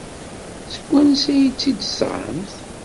Seg wansi ay tt-id-tesɣamt?